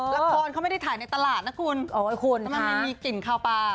ละครเขาไม่ได้ถ่ายในตลาดนะคุณมันมีกลิ่นขาวปลา